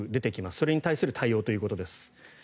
それに対する対応ということです。